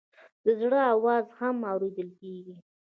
د زړه آواز هم اورېدل کېږي.